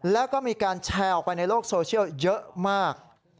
แล้วก็มีการแชร์ออกไปในโลกโซเชียลเยอะมาก